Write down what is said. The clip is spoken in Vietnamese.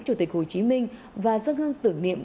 chủ tịch hồ chí minh và dân hương tưởng niệm